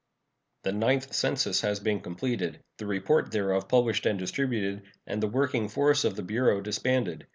The Ninth Census has been completed, the report thereof published and distributed, and the working force of the Bureau disbanded.